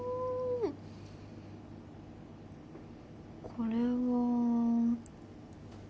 これは。